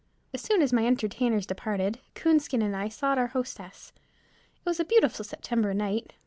As soon as my entertainers departed, Coonskin and I sought our hostess. It was a beautiful September night.